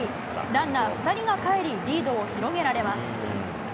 ランナー２人がかえり、リードを広げられます。